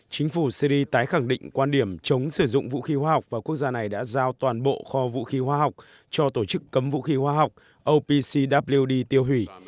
chính phủ syri tái khẳng định quan điểm chống sử dụng vũ khí hóa học và quốc gia này đã giao toàn bộ kho vũ khí hóa học cho tổ chức cấm vũ khí hóa học opcw đi tiêu hủy